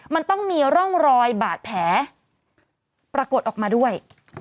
มันต้องมีร่องรอยบาดแผลปรากฏออกมาด้วย